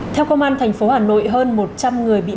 theo công an tp hà nội